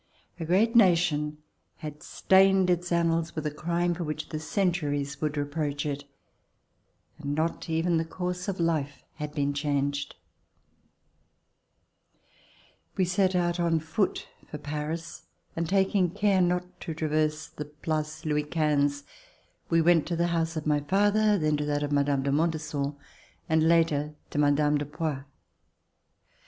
A great nation had stained its annals with a crime for which the centu ries would reproach it, and not even the course of life had been changed. FLIGHT TO I^ORDEAUX We set out on foot for Paris, and, taking care not to traverse the Place Louis XV, we went to the liouseof my father, then to that of Mme. de Montes son, and later to Mme. de Poix.